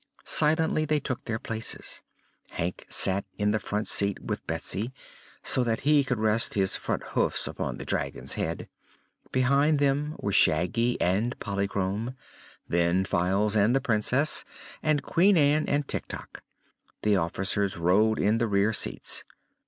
Silently they took their places. Hank sat in the front seat with Betsy, so that he could rest his front hoofs upon the dragon's head. Behind them were Shaggy and Polychrome, then Files and the Princess, and Queen Ann and Tik Tok. The officers rode in the rear seats.